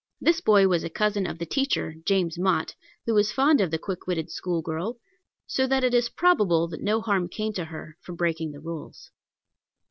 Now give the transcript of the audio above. This boy was a cousin of the teacher, James Mott, who was fond of the quick witted school girl, so that it is probable that no harm came to her from breaking the rules.